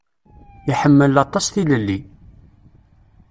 Yeḥmmel aṭas tilelli.